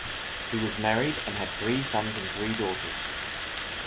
He was married and had three sons and three daughters.